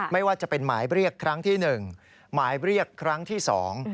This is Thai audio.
ไม่ว่าจะเป็นหมายเรียกครั้งที่หนึ่งหมายเรียกครั้งที่สอง